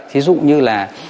thí dụ như là